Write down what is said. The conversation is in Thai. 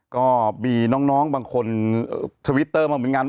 ก็มีน้องบางคนทวิตเตอร์มาเหมือนกัน